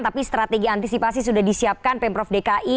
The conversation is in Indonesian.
tapi strategi antisipasi sudah disiapkan pemprov dki